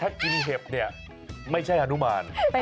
ถ้ากินเห็บเนี่ยไม่ใช่อนุมาน